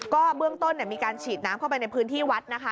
ก็เบื้องต้นมีการฉีดน้ำเข้าไปในพื้นที่วัดนะคะ